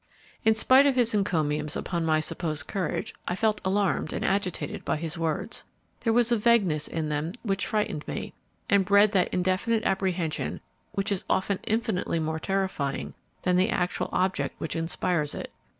In spite of his encomiums upon my supposed courage, I felt alarmed and agitated by his words. There was a vagueness in them which frightened me, and bred that indefinite apprehension which is often infinitely more terrifying than the actual object which inspires it.